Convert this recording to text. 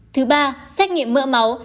thứ ba xách nghiệm mỡ máu